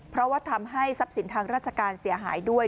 เพราะว่าทำให้ทรัพย์สินทางราชการเสียหายด้วย